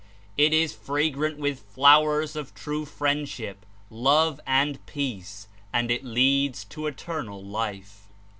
It Is fragrant with flowers of tnie friendship, love and peace, and It leads to Eternal Life.